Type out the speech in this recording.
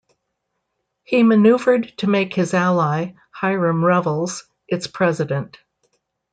He maneuvered to make his ally, Hiram Revels, its president.